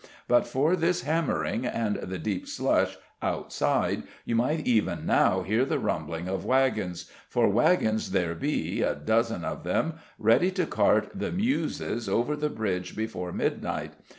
But for this hammering and the deep slush outside you might even now hear the rumbling of wagons; for wagons there be, a dozen of them, ready to cart the Muses over the bridge before midnight.